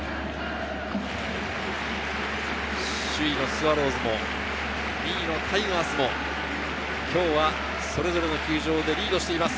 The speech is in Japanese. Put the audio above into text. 首位のスワローズも２位のタイガースも今日はそれぞれの球場でリードをしています。